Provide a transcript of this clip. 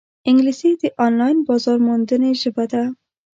انګلیسي د آنلاین بازارموندنې ژبه ده